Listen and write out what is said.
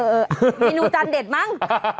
เมนูจานเด็ดมั้ง